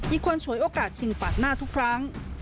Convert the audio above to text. อีกคนฉวยโอกาสชิงปาดหน้าทุกครั้ง